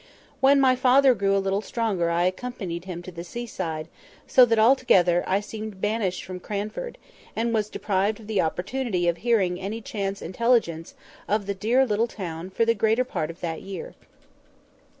When my father grew a little stronger I accompanied him to the seaside, so that altogether I seemed banished from Cranford, and was deprived of the opportunity of hearing any chance intelligence of the dear little town for the greater part of that year.